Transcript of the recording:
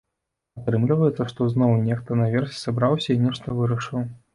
Атрымліваецца, што зноў нехта наверсе сабраўся і нешта вырашыў.